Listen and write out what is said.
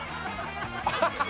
アハハハハ！